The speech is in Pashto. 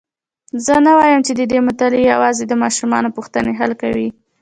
زه نه وایم چې ددې مطالعه یوازي د ماشومانو پوښتني حل کوي.